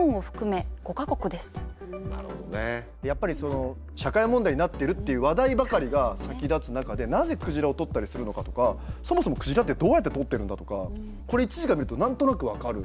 やっぱりその社会問題になってるっていう話題ばかりが先立つ中でなぜ鯨を獲ったりするのかとかそもそも鯨ってどうやって獲ってるんだとかこれ１時間見ると何となく分かる。